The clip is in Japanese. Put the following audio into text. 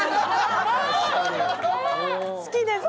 好きです！